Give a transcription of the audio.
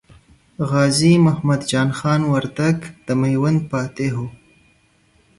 غازي محمد جان خان وردګ د میوند فاتح و.